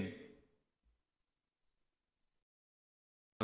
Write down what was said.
pernahkan di bapak ibu